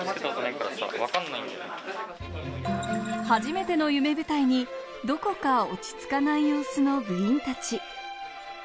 初めての夢舞台に、どこか落ち着かない様子の部員たち。